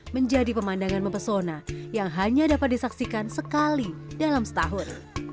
menjadi pemandangan mempesona yang hanya dapat disaksikan sekali dalam setahun